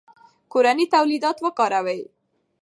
کورني تولیدات وکاروئ.